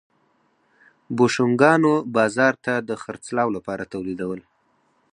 بوشونګانو بازار ته د خرڅلاو لپاره تولیدول.